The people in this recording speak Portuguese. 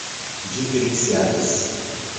diferenciadas